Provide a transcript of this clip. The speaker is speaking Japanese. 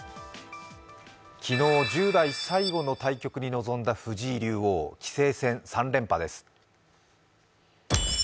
昨日、１０代最後の対局に臨んだ藤井竜王。棋聖戦３連覇です。